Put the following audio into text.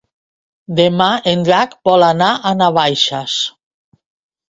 Demà en Drac vol anar a Navaixes.